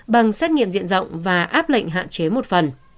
bằng xét nghiệm diện rộng và áp lệnh hạn chế một phần